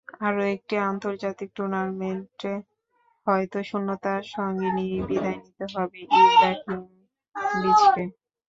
আরও একটি আন্তর্জাতিক টুর্নামেন্টে হয়তো শূন্যতা সঙ্গে নিয়েই বিদায় নিতে হবে ইব্রাহিমোভিচকে।